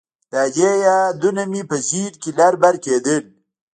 د ادې يادونه مې په ذهن کښې لر بر کېدل.